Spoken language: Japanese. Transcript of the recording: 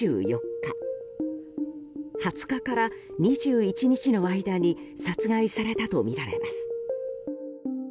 ２０日から２１日の間に殺害されたとみられます。